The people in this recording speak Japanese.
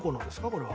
これは。